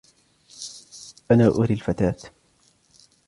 أنا أري الفتاة.